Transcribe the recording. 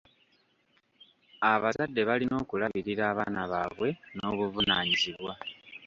Abazadde balina okulabirira abaana baabwe n'obuvunaanyizibwa..